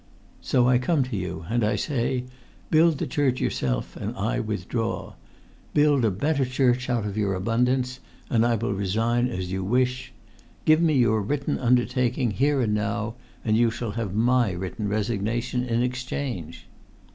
So I come to you and I say, build the church yourself, and I withdraw. Build a better church out of your abundance, and I will resign as you wish. Give me your written undertaking, here and now, and you shall have my written resignation in exchange."